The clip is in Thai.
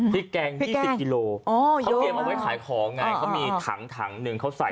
พริกแกง๒๐กิโลเขาเตรียมเอาไว้ขายของไงเขามีถังถังหนึ่งเขาใส่